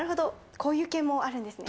こういう系もあるんですね。